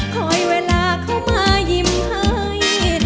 คอยเวลาเข้ามายิ้มให้